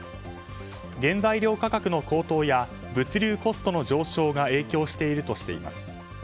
原材料価格の高騰や物流コストの上昇が影響しているとしています。